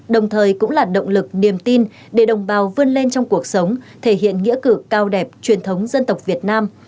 đồng thời cũng là động lực niềm tin để đồng bào vươn lên trong cuộc sống thể hiện nghĩa cử cao đẹp truyền thống dân tộc việt nam